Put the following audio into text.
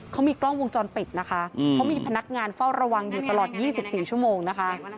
เขามีกล้องวงจรปิดนะคะเขามีพนักงานเฝ้าระวังอยู่ตลอด๒๔ชั่วโมงนะคะ